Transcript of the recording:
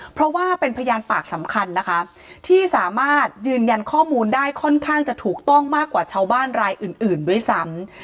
เพราะว่าเป็นพยานปากสำคัญนะคะที่สามารถยืนยันข้อมูลได้ค่อนข้างจะถูกต้องมากกว่าชาวบ้านรายอื่นด้วยซ้ำ